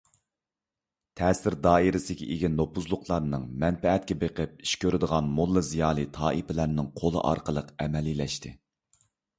تەسىر دائىرىسىگە ئىگە نوپۇزلۇقلارنىڭ، مەنپەئەتكە بېقىپ ئىش كۆرىدىغان موللا - زىيالىي تائىپىلەرنىڭ قولى ئارقىلىق ئەمەلىيلەشتى.